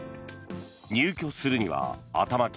入居するには頭金